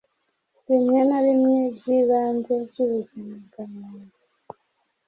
bimwe na bimwe byibanze byubuzima bwa muntu